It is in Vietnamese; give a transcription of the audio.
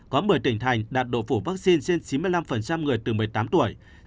có một mươi tỉnh thành đạt độ phủ vaccine trên chín mươi năm người từ một mươi tám tuổi